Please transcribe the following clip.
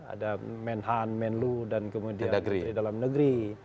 ada menhan menlu dan kemudian menteri dalam negeri